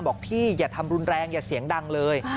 บอกพี่อย่าทำรุนแรงอย่าเสียงดังเลย